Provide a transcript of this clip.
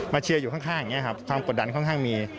เชียร์อยู่ข้างอย่างนี้ครับความกดดันค่อนข้างมี